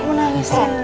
mau nangis ya